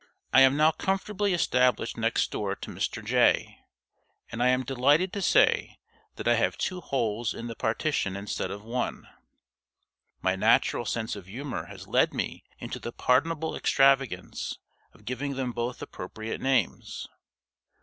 I am now comfortably established next door to Mr. Jay, and I am delighted to say that I have two holes in the partition instead of one. My natural sense of humor has led me into the pardonable extravagance of giving them both appropriate names.